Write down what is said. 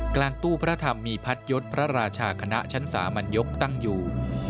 กลางตู้พระธรรมมีพัดยศพระราชาคณะชั้นสามัญยกตั้งอยู่